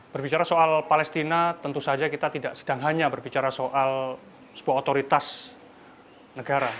berbicara soal palestina tentu saja kita tidak sedang hanya berbicara soal sebuah otoritas negara